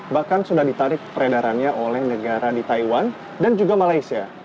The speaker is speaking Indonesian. bahkan sudah ditarik peredarannya oleh negara di taiwan dan juga malaysia